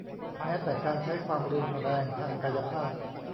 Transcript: แม้แต่การใช้ความรุนแรงทางกายภาพ